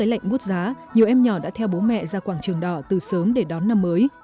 với lạnh mút giá nhiều em nhỏ đã theo bố mẹ ra quảng trường đỏ từ sớm để đón năm mới